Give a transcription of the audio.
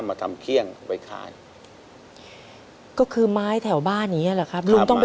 มีไม้ในบ้านเขาจางแหละครับ